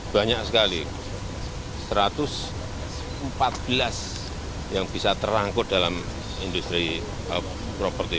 banyak sekali satu ratus empat belas yang bisa terangkut dalam industri properti